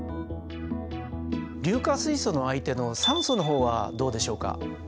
硫化水素の相手の酸素の方はどうでしょうか。